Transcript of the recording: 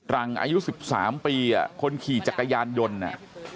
หลังอายุ๑๓ปีคนขี่จักรยานยนต์น่ะ